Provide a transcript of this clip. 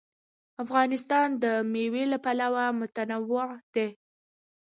افغانستان د مېوې له پلوه متنوع دی.